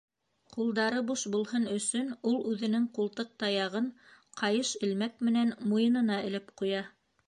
Ҡулдары буш булһын өсөн ул үҙенең ҡултыҡ таяғын ҡайыш элмәк менән муйынына элеп ҡуя.